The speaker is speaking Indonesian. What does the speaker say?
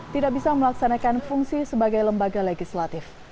tidak bisa melaksanakan fungsi sebagai lembaga legislatif